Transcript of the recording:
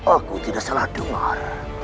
aku tidak salah dengar